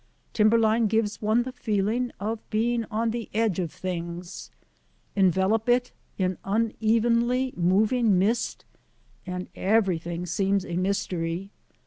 Timber line gives one the feeling of being on the edge of things. Envelop it in unevenly moving mist and everything seems a mystery.